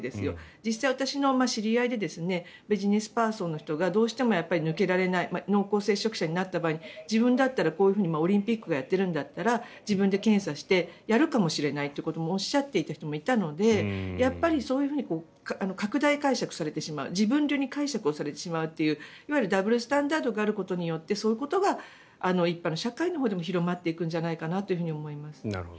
実際、私の知り合いでビジネスパーソンの人がどうしても抜けられない濃厚接触者になった場合自分だったらこういうふうにオリンピックがやってるんだったら自分で検査してやるかもしれないってこともおっしゃっていた人もいたのでやっぱりそういうふうに拡大解釈されてしまう自分流に解釈をされてしまうといういわゆるダブルスタンダードがあることによってそういうことが一般の社会のほうでも広まっていくのではと思います。